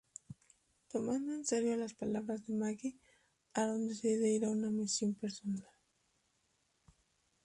Tomando en serio las palabras de Maggie, Aaron decide ir a una misión personal.